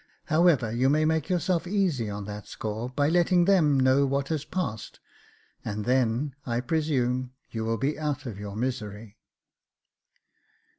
However, you may make yourself easy on that score, by letting them know what has passed ; and then, I presume, you will be out of your misery."